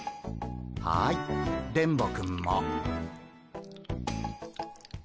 はい電ボくんも。